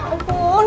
pak bos ya ampun